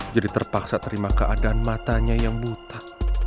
jadi terpaksa terima keadaan matanya yang buta